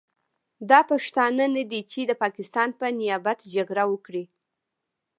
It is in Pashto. دا پښتانه نه دي چې د پاکستان په نیابت جګړه وکړي.